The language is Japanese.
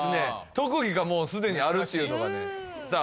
特技がもう既にあるっていうのがねさあ